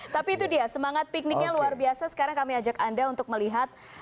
tapi itu dia semangat pikniknya luar biasa sekarang kami ajak anda untuk melihat